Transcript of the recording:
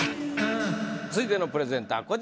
続いてのプレゼンター